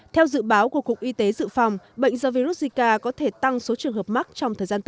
theo dự báo của cục y tế dự phòng bệnh do virus zika có thể tăng số trường hợp mắc trong thời gian tới